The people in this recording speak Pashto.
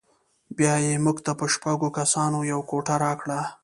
بیا یې موږ ته په شپږو کسانو یوه کوټه راکړه.